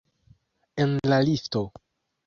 En la lifto.